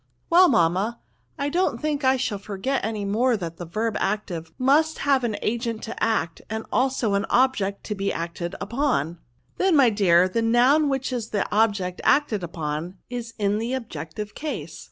*' Well, mamma, I don't think I shall for get any more that a verb active must have an agent to act, and also an object to be acted upon, " Then, my dear, the noun, which is the object acted upon, is in the objective case."